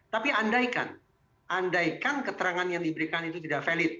tapi andaikan andaikan keterangan yang diberikan itu tidak valid